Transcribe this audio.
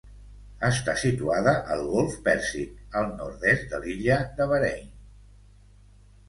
Està situada al golf Pèrsic, al nord-est de l'illa de Bahrain.